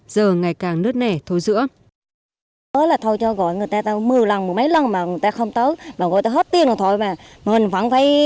giờ ngày càng nứt nẻ thối dữa